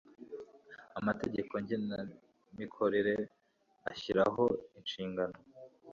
amategeko ngengamikorere ashyiraho inshingano